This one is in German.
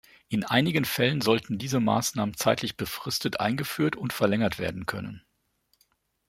In einigen Fällen sollten diese Maßnahmen zeitlich befristet eingeführt und verlängert werden können.